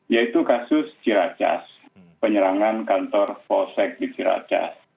yaitu kasus ciracas penyerangan kantor polsek di ciracas